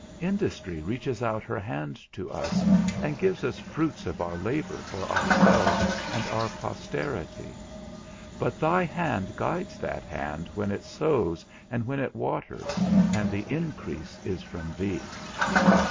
Industry reaches out her hand to us and gives us fruits of our labour for ourselves and our posterity; but thy hand guides that hand when it sows and when it waters, and the increase is from thee.